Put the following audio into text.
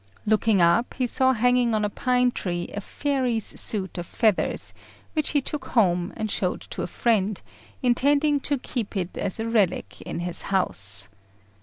Looking up, he saw hanging on a pine tree a fairy's suit of feathers, which he took home, and showed to a friend, intending to keep it as a relic in his house.